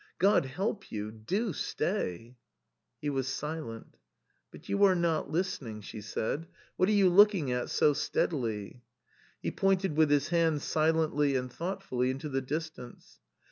God help you ! Do stay !" He was silent. "But you are not listening," she said. "What are you looking at so steadily ?" He pointed with his hand silently and thoughtfully into the distance.